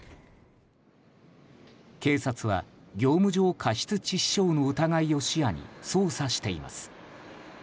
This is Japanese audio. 警察は、業務上過失致死傷の疑いを視野に捜査しています。